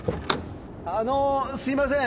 あのーすいません。